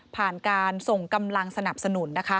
ผ่านการส่งกำลังสนับสนุน